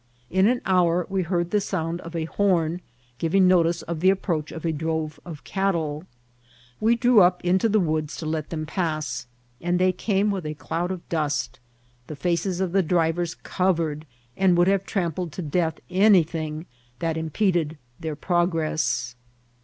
In an hour we heard the sound of a hcHm, giv^ ing notice of the approach of a drove of cattle. .We drew up into the woods to let them pass, and they came with a cloud of dust, the £aces of the drivers cov* ered, and would have trampled to death anything that impeded thmr progress.